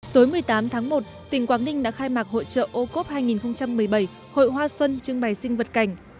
tối một mươi tám tháng một tỉnh quảng ninh đã khai mạc hội trợ ô cốp hai nghìn một mươi bảy hội hoa xuân trưng bày sinh vật cảnh